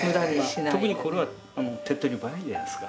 特にこれは手っとり早いじゃないですか。